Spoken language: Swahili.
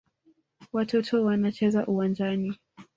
Watoto wanacheza uwanjani.